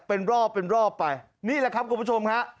เป็นรอบเป็นรอบไปนี่แหละครับคุณผู้ชมฮะ